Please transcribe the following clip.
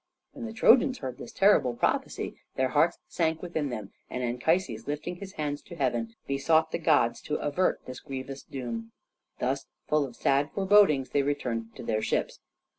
When the Trojans heard this terrible prophecy their hearts sank within them, and Anchises, lifting his hands to heaven, besought the gods to avert this grievous doom. Thus, full of sad forebodings, they returned to their ships.